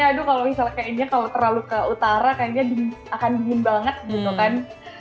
maksudnya kalau misalnya kayak ini kalau terlalu ke utara kan dia akan dingin banget gitu kan